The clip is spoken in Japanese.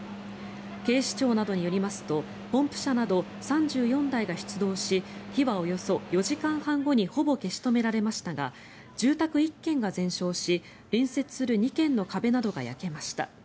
警視庁などによりますとポンプ車など３４台が出動し火はおよそ４時間半後にほぼ消し止められましたが住宅１軒が全焼し隣接する２軒の壁などが焼けました。